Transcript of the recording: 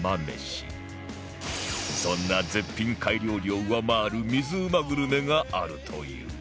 そんな絶品貝料理を上回る水うまグルメがあるという